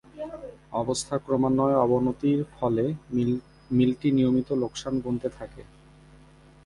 অবস্থা ক্রমান্বয়ে অবণতির ফলে মিলটি নিয়মিত লোকসান গুণতে থাকে।